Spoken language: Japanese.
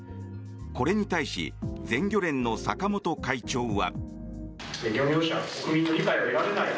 これに対し全漁連の坂本会長は。